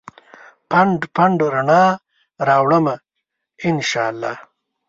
پنډ ، پنډ رڼا راوړمه ا ن شا الله